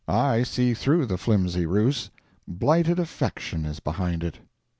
I see through the flimsy ruse—blighted affection is behind it.